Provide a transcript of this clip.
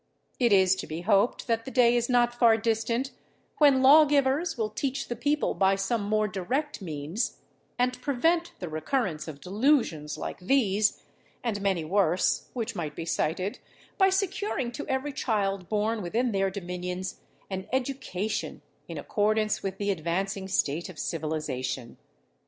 It is to be hoped that the day is not far distant when lawgivers will teach the people by some more direct means, and prevent the recurrence of delusions like these, and many worse, which might be cited, by securing to every child born within their dominions an education in accordance with the advancing state of civilisation.